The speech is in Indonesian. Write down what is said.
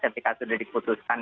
ketika sudah diputuskan